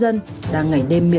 và thông tin đã